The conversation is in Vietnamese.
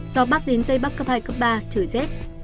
gió bắc đến tây bắc cấp hai cấp ba trời rét